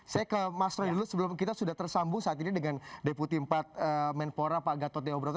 saya ke mas roy dulu sebelum kita sudah tersambung saat ini dengan deputi empat menpora pak gatot deobroto